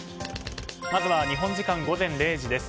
まずは日本時間午前０時です。